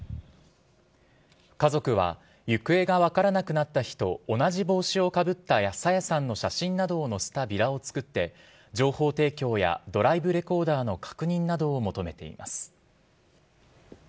家族は、行方が分からなくなった日と同じ帽子をかぶった朝芽さんの写真などを載せたビラを作って、情報提供やドライブレコーダーの確認などを求めています。